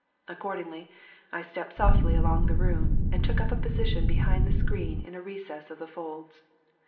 Accordingly I stepped softly along the room and took up a position behind the screen in a recess of the folds.